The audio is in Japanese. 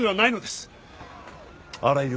あらゆる